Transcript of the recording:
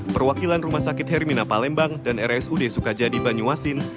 perwakilan rumah sakit hermina palembang dan rsud sukajadi banyuasin